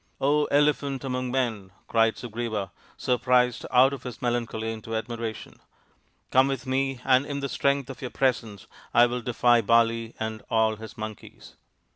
" Elephant among Men !" cried Sugriva, surprised out of his melancholy into admiration, " come with me and in the strength of your presence I will defy Bali and all his monkeys."